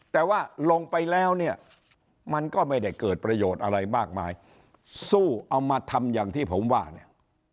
แต่ว่าลงไปแล้วเนี่ยมันก็ไม่ได้เกิดประโยชน์อะไรมากมายสู้เอามาทำอย่างที่ผมว่าเนี่ย